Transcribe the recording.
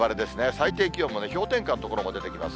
最低気温も氷点下の所も出てきます。